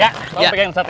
ya mau pegang yang satu